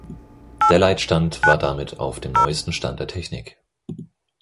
Der Leitstand war damit auf dem neusten Stand der Technik.